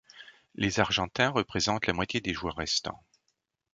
Les Argentins représentent la moitié des joueurs restants.